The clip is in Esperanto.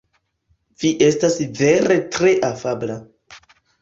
Vi estas vere tre afabla.